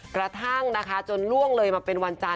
กระทั่งนะคะจนล่วงเลยมาเป็นวันจันท